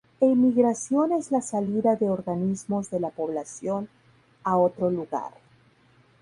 Emigración es la salida de organismos de la población a otro lugar.